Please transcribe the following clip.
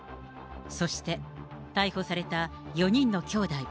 そして逮捕された４人のきょうだい。